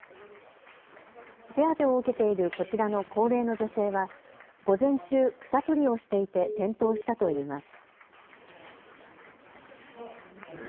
手当てを受けているこちらの高齢の女性は午前中、草取りをしていて転倒したといいます。